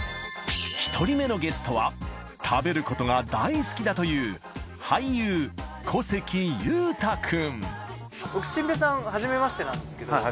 １人目のゲストは食べることが大好きだという僕心平さんはじめましてなんですけど。